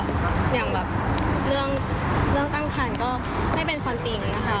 อย่างแบบเรื่องตั้งคันก็ไม่เป็นความจริงค่ะ